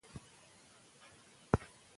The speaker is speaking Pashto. اسټن له ستونزو تېرېده.